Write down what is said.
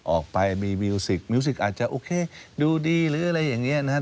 ออกไปมีมิวสิกมิวสิกอาจจะโอเคดูดีหรืออะไรอย่างนี้นะครับ